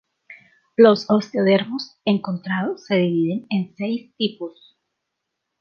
Los osteodermos encontrados se dividen en seis tipos.